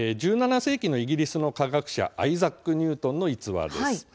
はい、１７世紀のイギリスの科学者アイザック・ニュートンの逸話です。